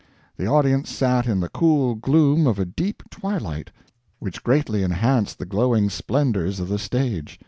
The audience sat in the cool gloom of a deep twilight, which greatly enhanced the glowing splendors of the stage.